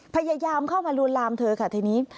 พยายามเข้ามาลวนลามเธอค่ะทีนี้